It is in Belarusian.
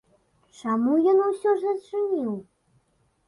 Чаму ён усё зачыніў?